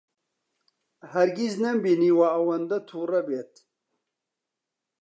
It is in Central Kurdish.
هەرگیز نەمبینیوە ئەوەندە تووڕە بێت.